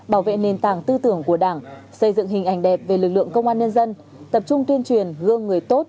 bảo vệ nền tảng tư tưởng của đảng xây dựng hình ảnh đẹp về lực lượng công an nhân dân tập trung tuyên truyền gương người tốt